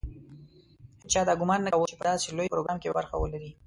هېچا دا ګومان نه کاوه چې په داسې لوی پروګرام کې به برخه ولري.